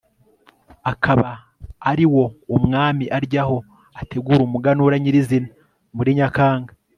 akaba ari wo umwami aryaho ategura umuganura nyirizina muri nyakanga